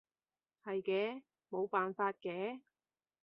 係嘅，冇辦法嘅